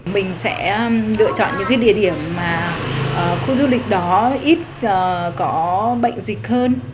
mình sẽ lựa chọn những cái địa điểm mà khu du lịch đó ít có bệnh dịch hơn